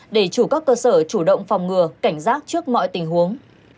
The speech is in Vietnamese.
để chủ các cơ sở chủ động phòng ngừa cảnh giác trước mọi tình huống